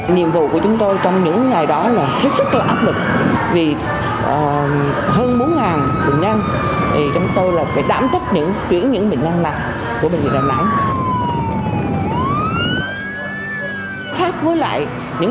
nhiệm vụ của chúng tôi trong những ngày đó là hết sức lãm lực vì hơn bốn bệnh nhân chúng tôi phải đảm thích chuyển những bệnh nhân này của bệnh viện đà nẵng